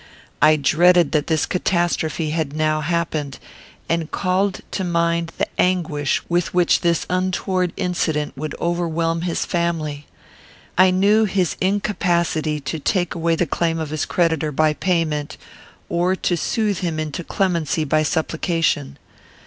I dreaded that this catastrophe had now happened, and called to mind the anguish with which this untoward incident would overwhelm his family. I knew his incapacity to take away the claim of his creditor by payment, or to soothe him into clemency by supplication.